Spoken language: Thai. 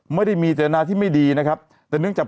ไม่ได้มีเจตนาที่ไม่ดีนะครับแต่เนื่องจาก